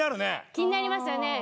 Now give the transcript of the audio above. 気になりますよね。